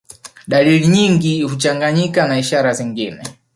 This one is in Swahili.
Dalili nyingi huchanganyika na ishara zingine